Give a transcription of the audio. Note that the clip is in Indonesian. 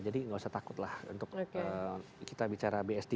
jadi tidak usah takut lah untuk kita bicara bsd